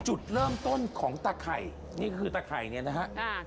จุดเริ่มต้นของตะไข่นี่คือตะไข่เนี่ยนะฮะ